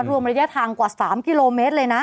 รวมระยะทางกว่า๓กิโลเมตรเลยนะ